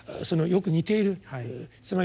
そのよく似ている。